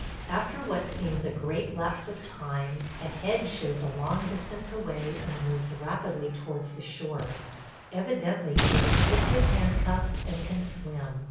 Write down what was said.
After what seems a great lapse of time, a head shows a long distance away and moves rapidly towards the shore. Evidently he has slipped his handcuffs and can swim.